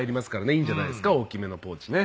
いいんじゃないですか大きめのポーチね。